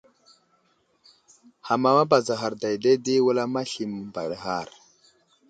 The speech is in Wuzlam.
Ham amapazaghar dayday di wulam masli məmbaraghar.